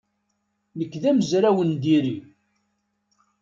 Nekk d amezraw n diri.